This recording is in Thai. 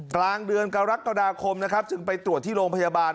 กลางเดือนกรกฎาคมนะครับจึงไปตรวจที่โรงพยาบาล